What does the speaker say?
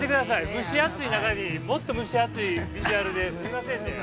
蒸し暑い中に、もっと蒸し暑いビジュアルですみませんね。